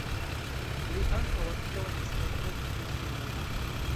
Li ankaŭ aktoris kaj produktis filmojn.